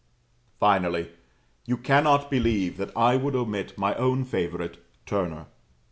Finally, you cannot believe that I would omit my own favourite, Turner.